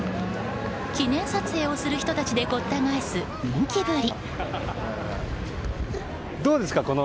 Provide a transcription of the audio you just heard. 記念撮影をする人たちでごった返す人気ぶり。